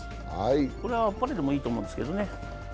これはあっぱれでもいいと思うんですけどね。